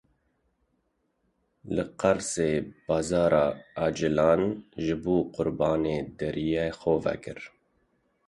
Li Qersê bazara ajelan ji bo qurbanê deriyê xwe vekir.